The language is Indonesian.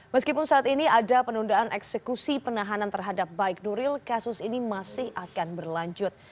meskipun saat ini ada penundaan eksekusi penahanan terhadap baik nuril kasus ini masih akan berlanjut